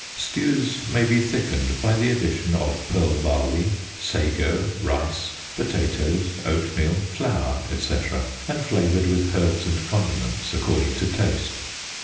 Stews may be thickened by the addition of pearl barley, sago, rice, potatoes, oatmeal, flour, &c, and flavoured with herbs and condiments according to taste.